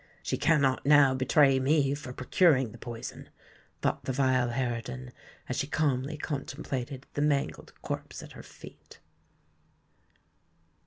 "She cannot now betray me for procuring the poison," thought the vile harridan, as she calmly contemplated the mangled corpse at her feet.